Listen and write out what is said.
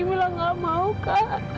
mila gak mau kak